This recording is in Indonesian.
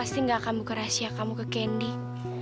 aku pasti gak akan buka rahasia kamu ke candy